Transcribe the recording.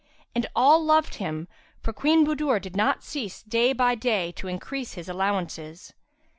And all loved him, for Queen Budur did not cease day by day to increase his allowances.